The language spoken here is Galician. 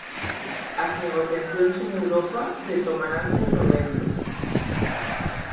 As negociacións en Europa retomaranse en novembro.